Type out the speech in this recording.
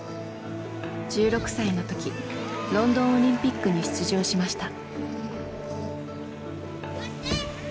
１６歳の時ロンドンオリンピックに出場しました。